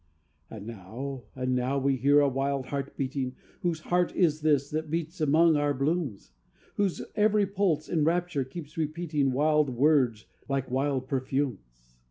"And now, and now we hear a wild heart beating Whose heart is this that beats among our blooms? Whose every pulse in rapture keeps repeating Wild words like wild perfumes?"